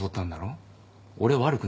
俺悪くない。